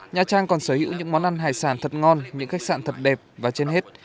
nhà trang còn sở hữu những món ăn hải sản thật ngon những khách sạn thật đẹp và trên hết